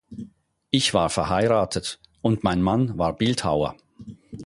Ich war verheiratet, und mein Mann war Bildhauer.